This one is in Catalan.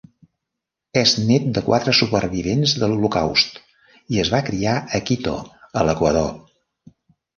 És net de quatre supervivents de l'Holocaust i es va criar a Quito, a l'Equador.